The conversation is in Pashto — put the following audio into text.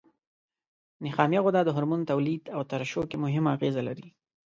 نخامیه غده د هورمون تولید او ترشح کې مهمه اغیزه لري.